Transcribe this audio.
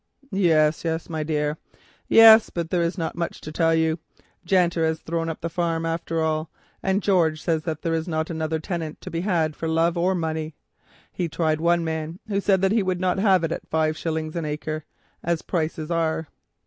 "Yes, yes, my dear—yes, but there is not much to tell you. Janter has thrown up the farm after all, and George says that there is not another tenant to be had for love or money. He tried one man, who said that he would not have it at five shillings an acre, as prices are."